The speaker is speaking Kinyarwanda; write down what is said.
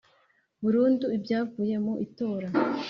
burundu ibyavuye mu itora